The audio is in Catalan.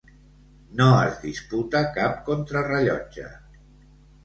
No es diputa cap contrarellotge.